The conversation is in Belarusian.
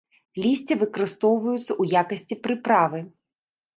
Лісце выкарыстоўваюцца ў якасці прыправы.